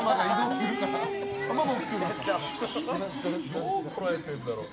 どう捉えてるんだろう。